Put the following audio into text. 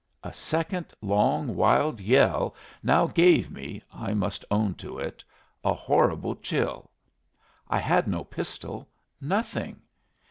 A second long, wild yell now gave me (I must own to it) a horrible chill. I had no pistol nothing.